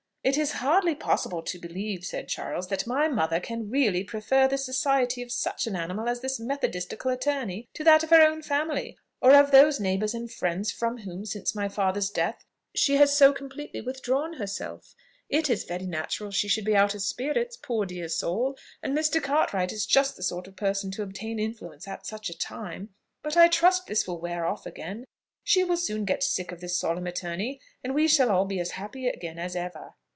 "It is hardly possible to believe," said Charles, "that my mother can really prefer the society of such an animal as this methodistical attorney to that of her own family, or of those neighbours and friends from whom, since my father's death, she has so completely withdrawn herself. It is very natural she should be out of spirits, poor dear soul! and Mr. Cartwright is just the sort of person to obtain influence at such a time; but I trust this will wear off again. She will soon get sick of the solemn attorney, and we shall all be as happy again as ever."